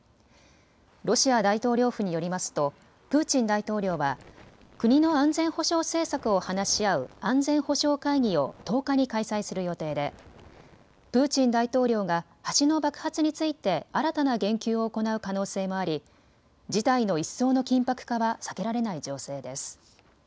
ロシア大統領府によりますとプーチン大統領は国の安全保障政策を話し合う安全保障会議を１０日に開催する予定でプーチン大統領が橋の爆発について新たな言及を行う可能性もあり、事態の一層の緊迫化は避けられない情勢です。